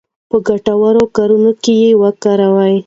په ګټورو کارونو کې یې وکاروو.